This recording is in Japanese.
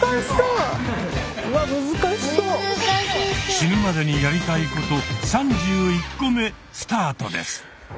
死ぬまでにやりたいこと３１個目スタートです！